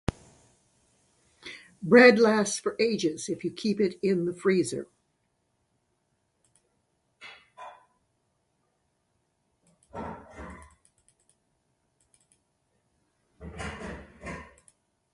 Bread lasts for ages if you keep it in the freezer.